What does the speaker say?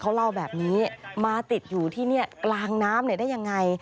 เขาเล่าแบบนี้มาติดอยู่ที่นี่กลางน้ำได้ยังไง